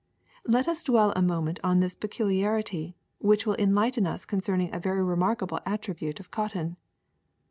Let ns dwell a moment on this peculiarity, which will en lighten us concerning a very remarkable attribute of cotton.